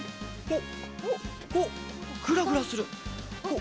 おっぐらぐらする！